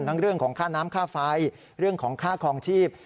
เรื่องของค่าน้ำค่าไฟเรื่องของค่าคลองชีพ